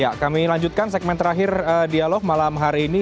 ya kami lanjutkan segmen terakhir dialog malam hari ini